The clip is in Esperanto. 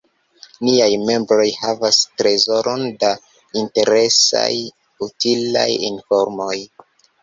Niaj membroj havas trezoron da interesaj, utilaj informoj.